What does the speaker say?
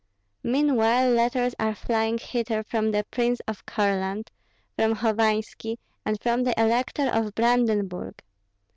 Meanwhile letters are flying hither from the Prince of Courland, from Hovanski, and from the Elector of Brandenburg.